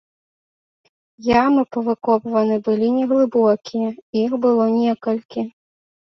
Ямы павыкопваны былі неглыбокія, іх было некалькі.